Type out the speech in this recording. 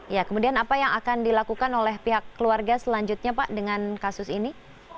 ya kemudian apa yang akan dilakukan oleh pihak keluarga selanjutnya pak dengan kasus ini